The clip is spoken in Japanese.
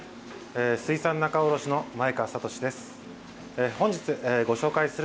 水産仲卸の前川哲史です。